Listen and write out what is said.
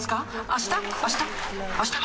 あした？